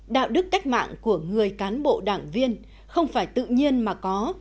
đạo đức cách mạng của người cán bộ đảng viên không phải tự nhiên mà có